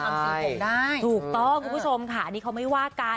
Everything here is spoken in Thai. ใช่ทำสีผมได้ถูกต้องคุณผู้ชมค่ะนี่เขาไม่ว่ากัน